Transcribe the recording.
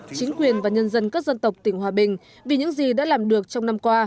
chính quyền và nhân dân các dân tộc tỉnh hòa bình vì những gì đã làm được trong năm qua